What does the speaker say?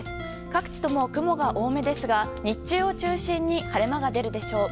各地とも雲が多めですが日中を中心に晴れ間が出るでしょう。